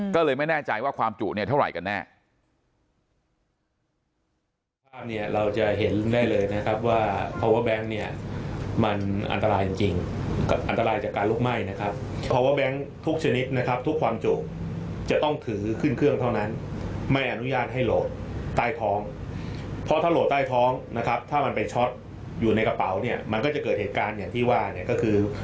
ก็เลยไม่แน่ใจว่าความจุเนี่ยเท่าไหร่กันแน่